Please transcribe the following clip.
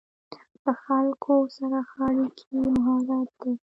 له خلکو سره ښه اړیکې مهارت دی.